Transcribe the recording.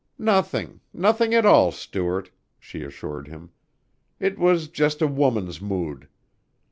"Nothing nothing at all, Stuart," she assured him. "It was just a woman's mood."